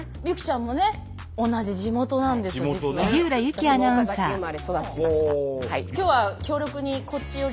私も岡崎生まれ育ちました。